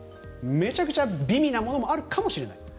めちゃくちゃ美味なものもあるかもしれない。